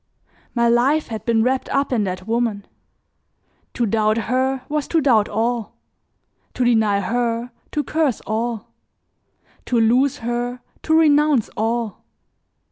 My life had been wrapped up in that woman; to doubt her was to doubt all; to deny her, to curse all; to lose her, to renounce all.